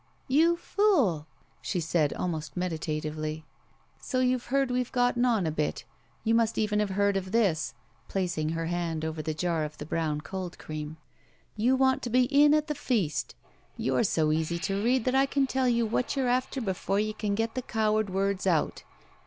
''You fool!" she said, almost meditatively. "So you've heard we've gotten on a bit. You must even have heard of this" — ^placing her hand over the jar of the Brown Cold Cream. "You want to be in at the feast. You're so easy to read that I can tell you what you're after before you can get the coward words out.